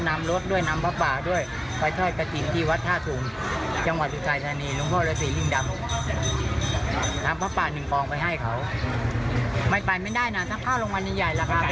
หมดทุกงวดมั้ย